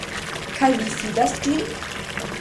Kaj vi fidas ĝin?